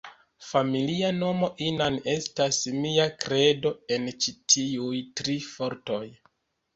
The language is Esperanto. Familia nomo Inan estas mia kredo en ĉi tiuj tri fortoj.